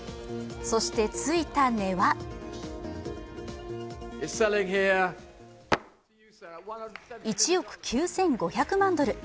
そして、ついた値は１億９５００万ドル。